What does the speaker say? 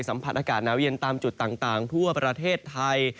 สัมผัสอากาศหนาวเย็นตามจุดต่างทั่วประเทศไทย